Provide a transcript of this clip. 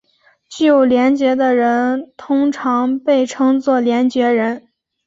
具有联觉的人通常被称作联觉人。